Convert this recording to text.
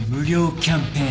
キャンペーン。